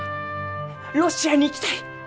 ロシアに行きたい！